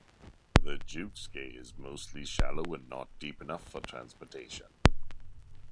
The Jukskei is mostly shallow and not deep enough for transportation.